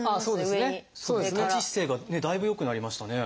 立ち姿勢がだいぶよくなりましたね。